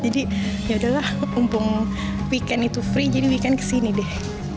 jadi yaudahlah umpung weekend itu free jadi weekend kesini deh